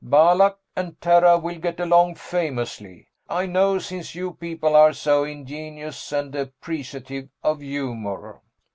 Balak and Terra will get along famously, I know, since you people are so ingenious and appreciative of humor."